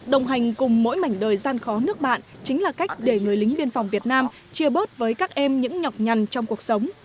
đồng hành cùng mỗi mảnh đời gian khó nước bạn chính là cách để người lính biên phòng việt nam chia bớt với các em những nhọc nhằn trong cuộc sống